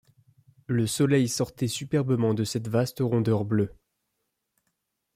Le soleil sortait superbement de cette vaste rondeur bleue.